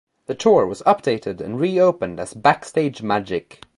The tour was updated and re-opened as Backstage Magic.